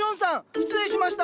失礼しました。